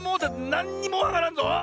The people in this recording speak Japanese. なんにもわからんぞ！